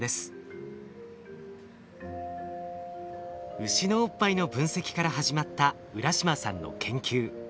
ウシのおっぱいの分析から始まった浦島さんの研究。